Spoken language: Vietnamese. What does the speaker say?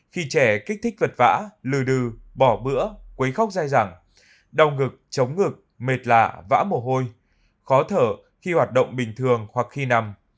khi trẻ kích thích vật vã lừa đừ bỏ bữa quấy khóc dai rẳng đau ngực chống ngực mệt lạ vã mổ hôi khó thở khi hoạt động bình thường hoặc khi nằm